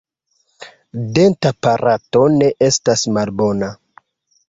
Dentaparato ne estas malbona.